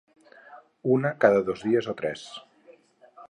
Una cada dos dies o tres.